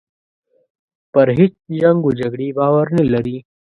پر هیچ جنګ و جګړې باور نه لري.